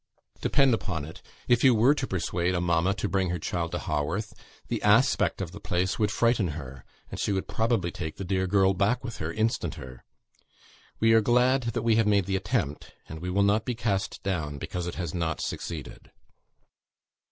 Depend upon it, if you were to persuade a mamma to bring her child to Haworth, the aspect of the place would frighten her, and she would probably take the dear girl back with her, instanter. We are glad that we have made the attempt, and we will not be cast down because it has not succeeded."